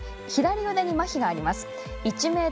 左腕にまひがあります。